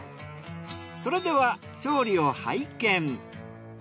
それでは調理を拝見。